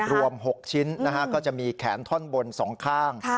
รวม๖ชิ้นก็จะมีแขนท่อนบน๒ข้าง